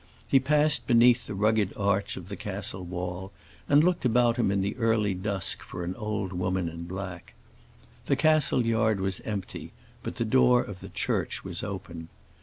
He passed beneath the rugged arch of the castle wall, and looked about him in the early dusk for an old woman in black. The castle yard was empty, but the door of the church was open.